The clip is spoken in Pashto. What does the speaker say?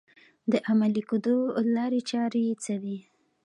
د عملي کېدو لارې چارې یې څه دي؟